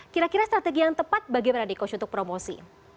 kira kira strategi yang tepat bagaimana nih coach untuk promosi